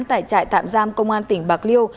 tại trại tạm giam công an tỉnh bạc liêu